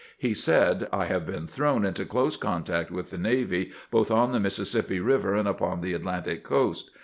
He said :" I have been thrown into close contact with the navy, both on the Mississippi Eiver and upon the Atlantic coast.